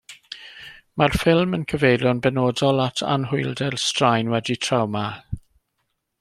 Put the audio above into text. Mae'r ffilm yn cyfeirio'n benodol at Anhwylder Straen Wedi Trawma.